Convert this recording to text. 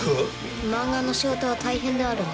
漫画の仕事は大変であるな。